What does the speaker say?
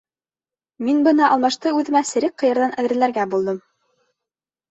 Мин бына алмашты үҙемә серек ҡыярҙан әҙерләргә булдым.